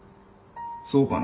そうかな？